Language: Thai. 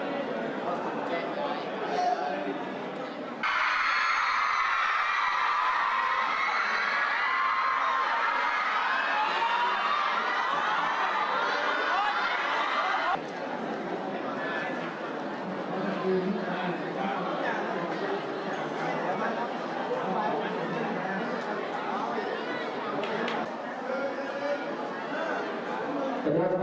น้องน้องจะพูดหนึ่งนะครับร่างกายสูงรุ่นเสียงแรงนะครับ